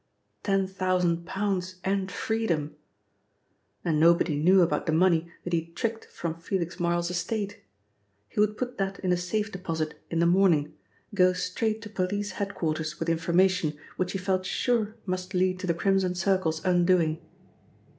Ten thousand pounds and freedom! And nobody knew about the money that he had tricked from Felix Marl's estate. He would put that in a safe deposit in the morning, go straight to police head quarters with information which he felt sure must lead to the Crimson Circle's undoing.